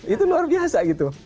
itu luar biasa gitu